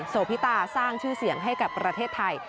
โพิตาสร้างชื่อเสียงให้กับประเทศไทย